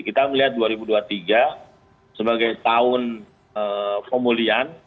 kita melihat dua ribu dua puluh tiga sebagai tahun pemulihan